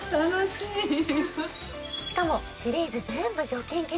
しかもシリーズ全部除菌機能付き。